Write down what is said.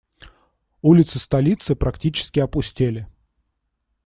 Улицы столицы практически опустели.